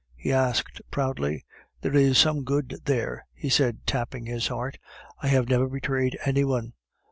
he asked proudly. "There is some good there," he said tapping his heart; "I have never betrayed any one!